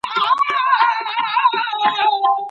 څنګه افغان صادروونکي افغاني غالۍ عربي هیوادونو ته لیږدوي؟